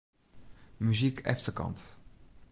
Muzyk efterkant.